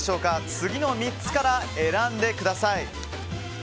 次の３つから選んでください。